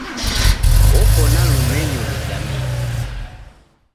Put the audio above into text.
Oko na lumenyo luzamie.